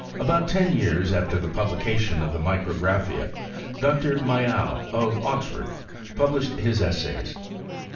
About ten years after the publication of the Micrographia, Dr. Mayow, of Oxford, published hii EisavB.